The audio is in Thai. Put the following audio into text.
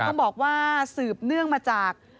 ต้องบอกว่าสืบเนื่องมาจาก